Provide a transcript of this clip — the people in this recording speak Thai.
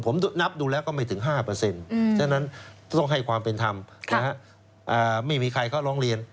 ผมนับดูแล้วก็ไม่ถึง๕ฉะนั้นต้องให้ความเป็นธรรมไม่มีใครเขาร้องเรียน